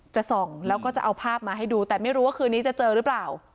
จะส่องแล้วก็จะเอาภาพมาให้ดูแต่ไม่รู้ว่าคืนนี้จะเจอหรือเปล่า